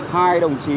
hai đồng chí